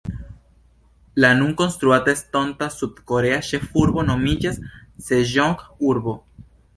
La nun konstruata estonta sud-korea ĉefurbo nomiĝas Seĝong-urbo.